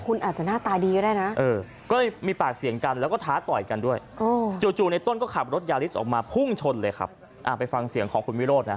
คุณอาจจะหน้าตาดีก็ได้นะก็เลยมีปากเสียงกันแล้วก็ท้าต่อยกันด้วยจู่ในต้นก็ขับรถยาริสออกมาพุ่งชนเลยครับไปฟังเสียงของคุณวิโรธนะ